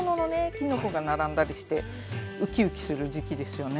きのこが並んだりしてウキウキする時期ですよね。